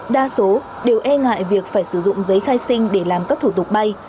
đa số đều e ngại việc phải sử dụng giấy khai sinh để làm các thủ tục bay